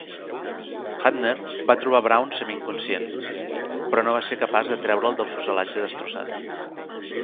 Hudner va trobar Brown semiinconscient, però no va ser capaç de treure'l del fuselatge destrossat.